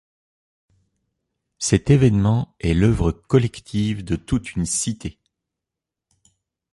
Cet événement est l'œuvre collective de toute une cité.